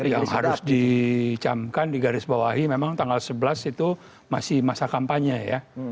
yang harus dicamkan di garis bawahi memang tanggal sebelas itu masih masa kampanye ya